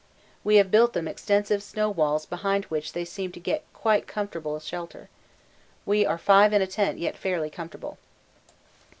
We have built them extensive snow walls behind which they seem to get quite comfortable shelter. We are five in a tent yet fairly comfortable.